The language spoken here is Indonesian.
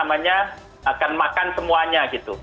the winner itu akan makan semuanya gitu